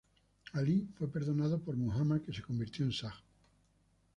Ali fue perdonado por Muhammad, que se convirtió en Sah.